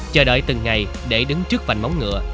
chờ đợi từng ngày để đứng trước vành móng ngựa